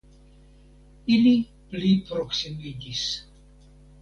Ili pli proksimiĝis